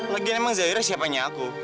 lagi emang zaira siapanya aku